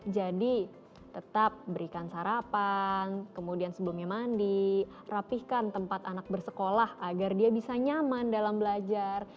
jadi tetap berikan sarapan kemudian sebelumnya mandi rapihkan tempat anak bersekolah agar dia bisa nyaman dalam belajar